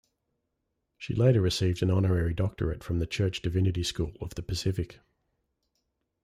She later received an honorary doctorate from the Church Divinity School of the Pacific.